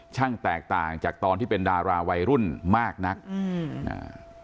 แตกต่างจากตอนที่เป็นดาราวัยรุ่นมากนักอืมอ่า